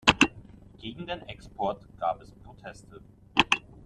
Gegen den Export gab es Proteste.